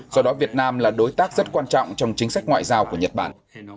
do đó việt nam là đối tác rất quan trọng trong chính sách ngoại giao của nhật bản